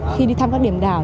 khi đi thăm các điểm đảo